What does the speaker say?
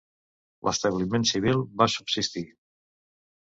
L'establiment civil va subsistir.